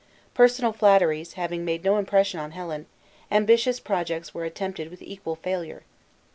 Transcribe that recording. Personal flatteries having made no impression on Helen, ambitious projects were attempted with equal failure.